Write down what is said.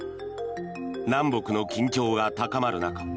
南北の緊張が高まる中